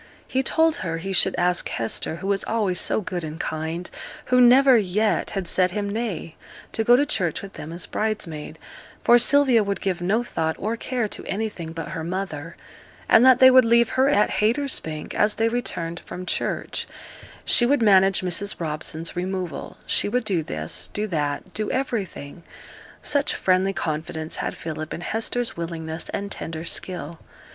He told her he should ask Hester, who was always so good and kind who never yet had said him nay, to go to church with them as bridesmaid for Sylvia would give no thought or care to anything but her mother and that they would leave her at Haytersbank as they returned from church; she would manage Mrs Robson's removal she would do this do that do everything. Such friendly confidence had Philip in Hester's willingness and tender skill.